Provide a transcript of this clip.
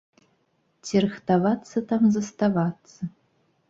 Ці рыхтавацца там заставацца?